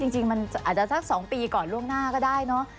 จริงมันอาจจะสัก๒ปีก่อนล่วงหน้าก็ได้เนอะ